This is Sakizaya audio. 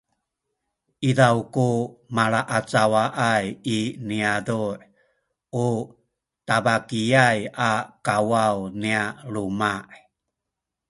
izaw ku malaacawaay i niyazu’ u tabakiyay a kawaw nya luma’